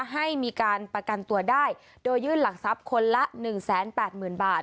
ให้มีการประกันตัวได้โดยยื่นหลักทรัพย์คนละหนึ่งแสนแปดหมื่นบาท